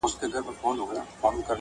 اباد او سوکاله غواړو